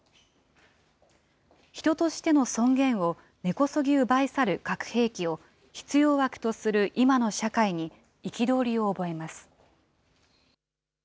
人としての尊厳を根こそぎ奪い去る核兵器を必要悪とする今の社会に、憤りを覚えます。